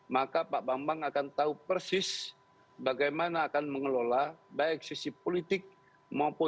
maka pak bambang akan tahu persis bagaimana akan mengelola baik sisi politik maupun politik